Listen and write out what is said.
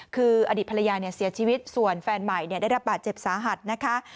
คืออดีตภรรยาเสียชีวิตส่วนแฟนใหม่ได้รับบาดเจ็บสาหัสนะคะ